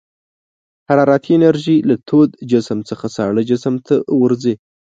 حرارتي انرژي له تود جسم څخه ساړه جسم ته ورځي.